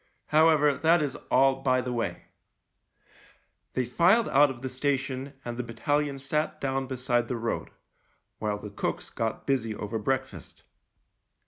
However, that is all by the way. 12 THE LIEUTENANT They filed out of the station and the battalion sat down beside the road, while the cooks got busy over breakfast.